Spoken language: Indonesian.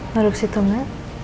duduk situ nga